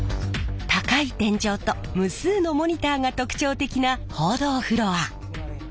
高い天井と無数のモニターが特徴的な報道フロア。